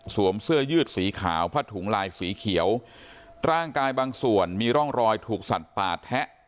เสื้อยืดสีขาวผ้าถุงลายสีเขียวร่างกายบางส่วนมีร่องรอยถูกสัตว์ป่าแทะ